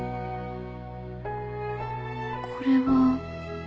これは